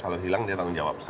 kalau hilang dia tanggung jawab